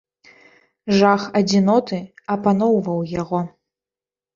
Жах адзіноты апаноўваў яго.